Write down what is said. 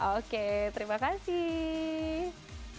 oke terima kasih